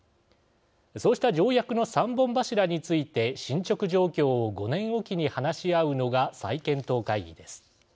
そうした条約の３本柱について進ちょく状況を５年おきに話し合うのが再検討会議です。